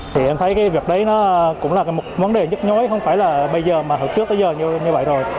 thì em thấy cái việc đấy cũng là một vấn đề nhức nhói không phải là bây giờ mà trước tới giờ như vậy rồi